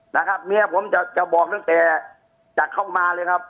นะครับเมียผมจะจะบอกตั้งแต่จะเข้ามาเลยครับ